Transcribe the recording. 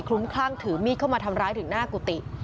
ลุ้มคลั่งถือมีดเข้ามาทำร้ายถึงหน้ากุฏิ